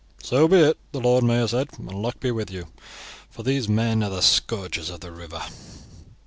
"So be it," the Lord Mayor said; "and luck be with you, for these men are the scourges of the river."